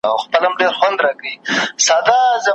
ما پیدا کی په شهباز کي راته ښيي غزلونه